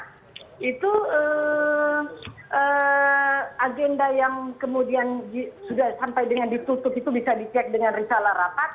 pada tidak mufarifurna agenda yang kemudian sampai ditutup itu bisa dicek dengan risalah rapat